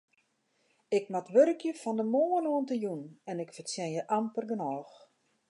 Ik moat wurkje fan de moarn oant de jûn en ik fertsjinje amper genôch.